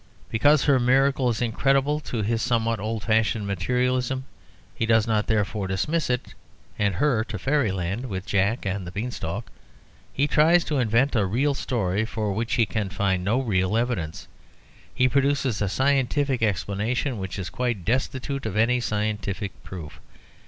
Because her miracle is incredible to his somewhat old fashioned materialism, he does not therefore dismiss it and her to fairyland with Jack and the Beanstalk. He tries to invent a real story, for which he can find no real evidence. He produces a scientific explanation which is quite destitute of any scientific proof.